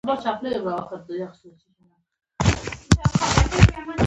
د درناوي کلتور د ښېګڼې یو ارزښت دی.